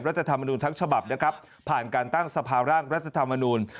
ธรรมนูลทั้งฉบับนะครับผ่านการตั้งสภาร่างรัฐธรรมนูล